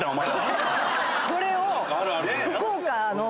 これを。